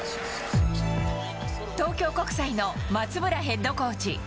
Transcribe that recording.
東京国際の松村ヘッドコーチ。